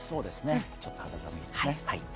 ちょっと肌寒いですね。